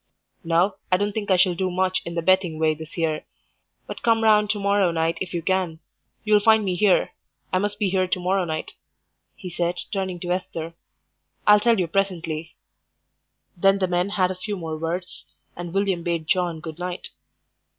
"No, I don't think I shall do much in the betting way this year. But come round to morrow night if you can; you'll find me here. I must be here to morrow night," he said, turning to Esther; "I'll tell you presently." Then the men had a few more words, and William bade John good night.